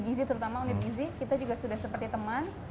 kita sudah sama unit gizi kita juga sudah seperti teman